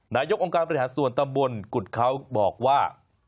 นายกองค์การบริหารส่วนตำบลกุฎเขาบอกว่า